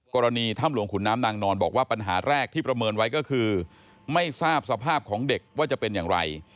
กรณีถ้ำหลวงขุนน้ำนางนอนบอกว่าปัญหาแรกที่ประเมินไว้ก็คือไม่ทราบสภาพของเด็กว่าจะเป็นอย่างไร